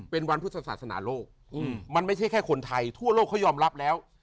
เป็นวันพุทธศาสนาโลกมันไม่ใช่แค่คนไทยทั่วโลกเขายอมรับแล้ว